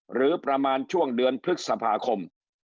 หรือประมาณช่วงเดือนพฤษภาคม